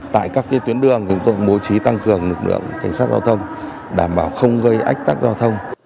tại các tuyến đường chúng tôi cũng bố trí tăng cường lực lượng cảnh sát giao thông đảm bảo không gây ách tắc giao thông